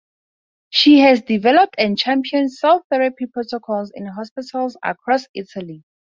She has developed and championed cell therapy protocols in hospitals across Italy.